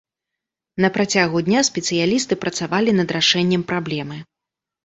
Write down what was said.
На працягу дня спецыялісты працавалі над рашэннем праблемы.